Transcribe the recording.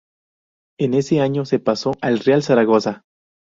En ese año se pasó al Real Zaragoza.